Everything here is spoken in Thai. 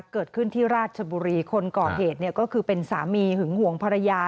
เกิดขึ้นที่ราชบุรีคนก่อเหตุเนี่ยก็คือเป็นสามีหึงห่วงภรรยา